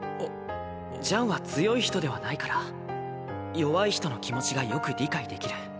ジャンは強い人ではないから弱い人の気持ちがよく理解できる。